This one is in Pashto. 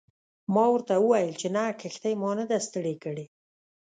ما ورته وویل چې نه کښتۍ ما نه ده ستړې کړې.